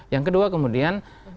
yang kedua kemudian